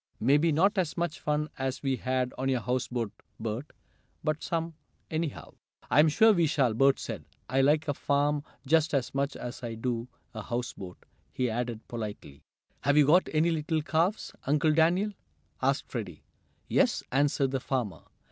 "Maybe not as much fun as we had on your houseboat, Bert, but some, anyhow." "I'm sure we shall," Bert said. "I like a farm just as much as I do a houseboat," he added politely. "Have you got any little calves, Uncle Daniel?" asked Freddie. "Yes," answered the farmer.